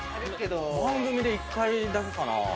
番組で１回だけかなぁ。